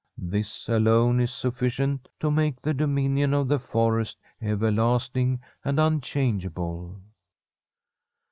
This alone is sufficient to make the dominion of the forest everlasting and un changeable.'